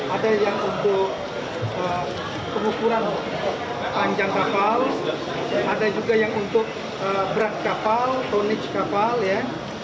ada yang untuk pengukuran panjang kapal ada juga yang untuk berat kapal tonic kapal ya